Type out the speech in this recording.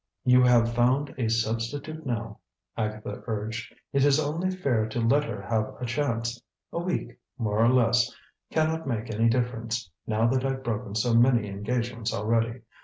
"You have found a substitute now," Agatha urged. "It is only fair to let her have a chance. A week, more or less, can not make any difference, now that I've broken so many engagements already.